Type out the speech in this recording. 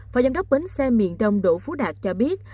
phó giám đốc bến xe miền đông đỗ phú đạt cho biết